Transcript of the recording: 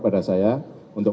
pada saya untuk